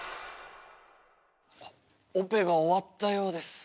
オペが終わったようです。